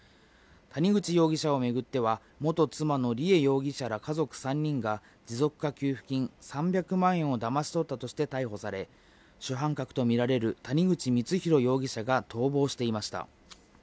谷口容疑者を巡っては、元妻の梨恵容疑者ら家族３人が、持続化給付金３００万円をだまし取ったとして逮捕され、主犯格と見られる谷口光弘容疑者が逃亡していました。